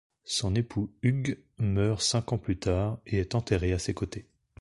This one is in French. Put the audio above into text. Son époux Hugh meurt cinq ans plus tard et est enterré à ses côtés.